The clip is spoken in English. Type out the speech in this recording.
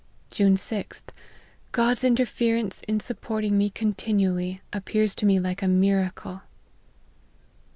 " June 6th. God's interference in supporting me continually, appears to me like a miracle."